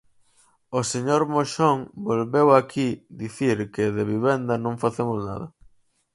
O señor Moxón volveu aquí dicir que de vivenda non facemos nada.